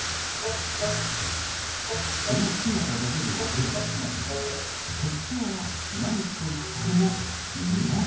その姿だけでも目を引きますが特徴は何といってもにおい。